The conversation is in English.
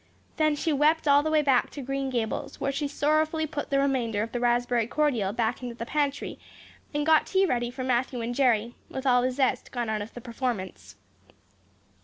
Then she wept all the way back to Green Gables, where she sorrowfully put the remainder of the raspberry cordial back into the pantry and got tea ready for Matthew and Jerry, with all the zest gone out of the performance.